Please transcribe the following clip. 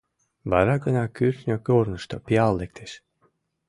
Вара гына кӱртньӧ корнышто пиал лектеш.